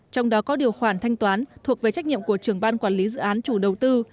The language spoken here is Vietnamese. trong đó có điều khoản thanh toán thuộc về trách nhiệm của trưởng ban quản lý dự án chủ đầu tư